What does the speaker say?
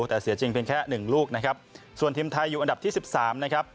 แต่เสียจริงเป็นแค่หนึ่งลูกนะครับส่วนทีมไทยอยู่อันดับที่สิบสามนะครับ